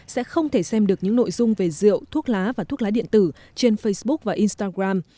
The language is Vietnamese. sẽ không thể xem được những nội dung về rượu thuốc lá và thuốc lá điện tử trên facebook và instagram